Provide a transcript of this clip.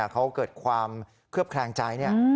เขาเกิดความเคลือบแคลงใจ